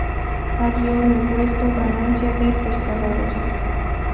A río revuelto, ganancia de pescadores